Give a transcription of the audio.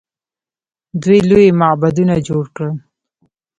دوی لوی معبدونه جوړ کړل.